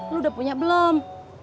lo udah punya belom